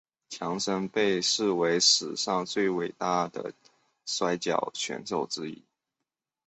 强森被视为史上最伟大的摔角选手之一。